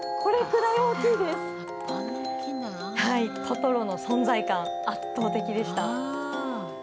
トトロの存在感圧倒的でした。